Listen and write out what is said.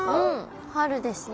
春ですね。